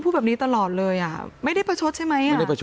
พูดแบบนี้ตลอดเลยอ่ะไม่ได้ประชดใช่ไหม